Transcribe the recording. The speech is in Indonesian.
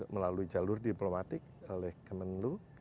melalui jalur diplomatik oleh kemenlu